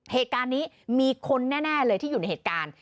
เหตุการณ์นี้มีคนแน่เลยที่อยู่ในเหตุการณ์